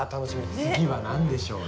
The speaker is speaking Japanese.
次は何でしょうね？